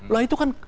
nah itu kan